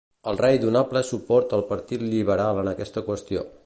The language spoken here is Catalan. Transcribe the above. El rei donà ple suport al Partit Liberal en aquesta qüestió.